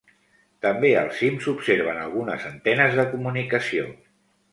També al cim s'observen algunes antenes de comunicació.